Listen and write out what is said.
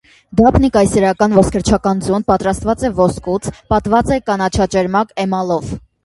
«Դափնի» կայսերական ոսկերչական ձուն պատրաստված է ոսկուց, պատված է կանաչաճերմակ էմալով։